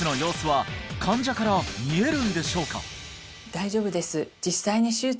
大丈夫です